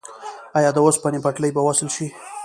آیا د اوسپنې پټلۍ به وصل شي؟